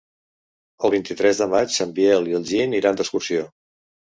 El vint-i-tres de maig en Biel i en Gil iran d'excursió.